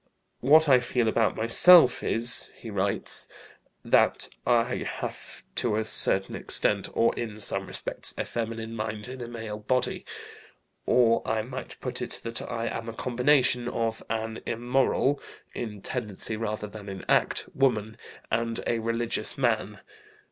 "What I feel about myself is," he writes, "that I have to a certain extent, or in some respects, a feminine mind in a male body; or, I might put it that I am a combination of an immoral (in tendency, rather than in act) woman and a religious man.